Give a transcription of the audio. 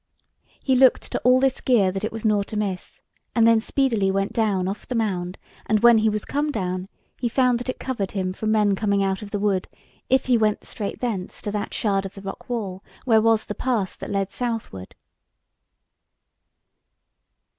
He looked to all this gear that it was nought amiss, and then speedily went down off the mound, and when he was come down, he found that it covered him from men coming out of the wood, if he went straight thence to that shard of the rock wall where was the pass that led southward.